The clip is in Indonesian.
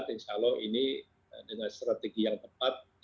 insya allah ini dengan strategi yang tepat